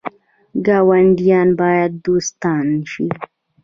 ګاونډیان باید دوستان شي